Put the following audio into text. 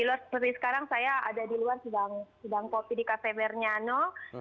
seperti sekarang saya ada di luar sedang kopi di cafe berniano